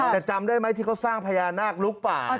แต่จำได้ไหมที่เขาสร้างพญานาคลุกป่า